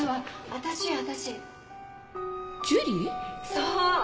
そう！